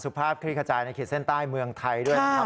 สภาพคลิกกระจายในเขตเส้นใต้เมืองไทยด้วยครับ